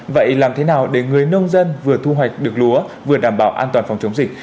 vậy làm thế nào để người nông dân vừa thu hoạch được lúa vừa đảm bảo an toàn phòng chống dịch